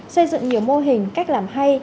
xây dựng nhiều mô hình cách làm hay